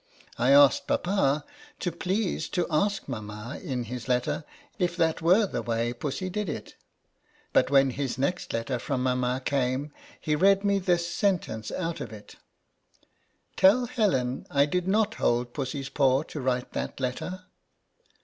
I asked papa to please to ask mamma, in his letter, if that were the way Pussy did it ; but when his next letter from mamma came, he read me this sen tence out of it :" Tell Helen I did not hold Pussy's paw to write that letter."